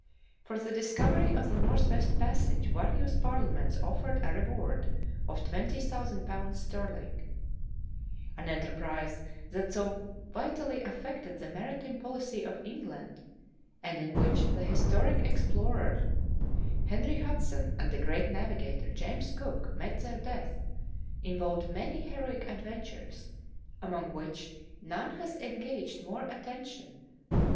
For the discovery of the northwest passage various parliaments ofi^ered a reward of twenty thousand pounds sterling. An enterprise that so vitally aff^ected the maritime policy of England, and in which the historic explorer, 57 58 True Tales of Arctic Heroism Henry Hudson, and the great navigator, James Cook, met their deaths, involved many heroic adventures, among which none has engaged more attention than Franklin's route on the northwest passage.